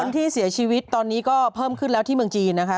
ที่เสียชีวิตตอนนี้ก็เพิ่มขึ้นแล้วที่เมืองจีนนะคะ